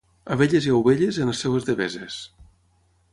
Abelles i ovelles, en les seues deveses.